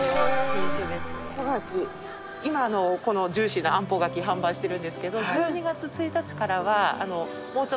今このジューシーなあんぽ柿販売してるんですけど１２月１日からは。